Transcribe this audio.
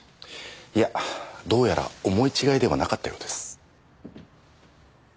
いやどうやら思い違いではなかったようです。